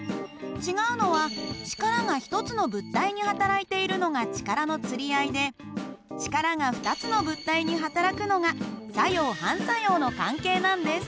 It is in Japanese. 違うのは力が１つの物体にはたらいているのが力のつり合いで力が２つの物体にはたらくのが作用・反作用の関係なんです。